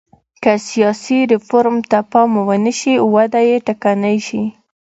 که سیاسي ریفورم ته پام ونه شي وده یې ټکنۍ شي.